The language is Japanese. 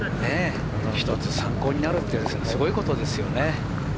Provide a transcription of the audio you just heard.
一つ参考になるってすごいことですね。